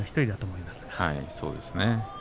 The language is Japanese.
そうですね。